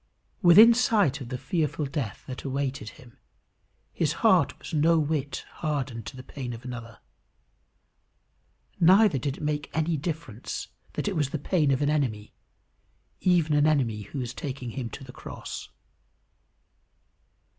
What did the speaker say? Within sight of the fearful death that awaited him, his heart was no whit hardened to the pain of another. Neither did it make any difference that it was the pain of an enemy even an enemy who was taking him to the cross.